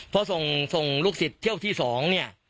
พอส่งลูกศิษย์เที่ยวที่๒เนี่ย